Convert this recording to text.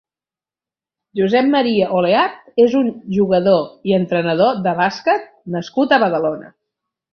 Josep Maria Oleart és un jugador i entrenador de bàsquet nascut a Badalona.